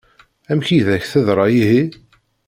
Amek i d-ak-teḍṛa ihi?